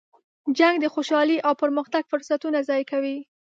جنګ د خوشحالۍ او پرمختګ فرصتونه ضایع کوي.